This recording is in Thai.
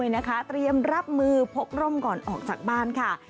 เตรียมรับมือพกร่มก่อนออกจากบ้านค่ะ